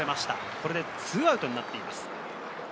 これで２アウトになっています。